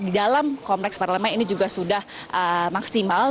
di dalam kompleks parlemen ini juga sudah maksimal